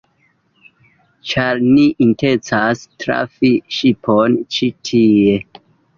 Ĉar ni intencas trafi ŝipon ĉi tie